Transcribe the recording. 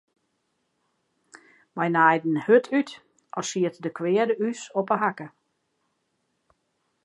Wy naaiden hurd út as siet de kweade ús op 'e hakke.